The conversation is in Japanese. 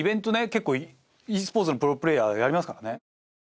結構ｅスポーツのプロプレーヤーやりますからね。